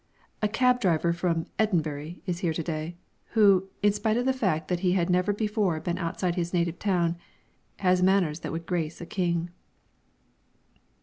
A cab driver from "Edinbury" is here to day, who, in spite of the fact that he had never before been outside his native town, has manners that would grace a king.